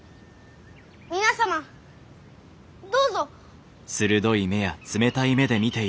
皆様どうぞ。